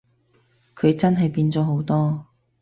佢真係變咗好多